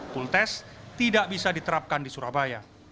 pultes tidak bisa diterapkan di surabaya